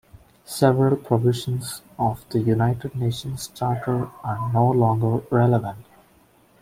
Several provisions of the United Nations Charter are no longer relevant.